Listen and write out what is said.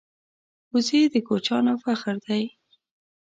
وزې د کوچیانو فخر دی